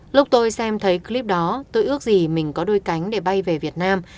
lúc tôi xem thấy clip đó tôi ước gì mình có đôi cánh để bay về việt nam